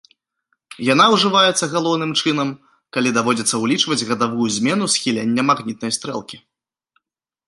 Яна ўжываецца галоўным чынам, калі даводзіцца ўлічваць гадавую змену схілення магнітнай стрэлкі.